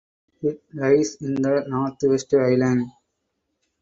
It lies in the Northwest Highlands.